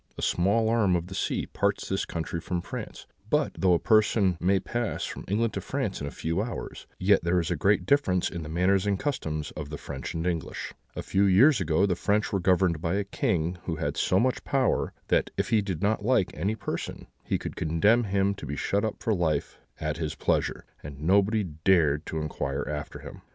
A small arm of the sea parts this country from France; but though a person may pass from England to France in a few hours, yet there is a great difference in the manners and customs of the French and English. A few years ago the French were governed by a king who had so much power, that, if he did not like any person, he could condemn him to be shut up for life at his pleasure, and nobody dared to inquire after him.